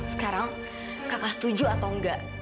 sekarang kakak setuju atau enggak